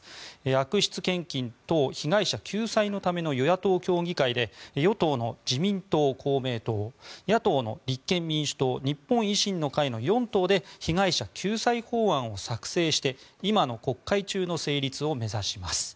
悪質献金等被害者救済のための与野党協議会で与党の自民党、公明党野党の立憲民主党日本維新の会の４党で被害者救済法案を作成して今の国会中の成立を目指します。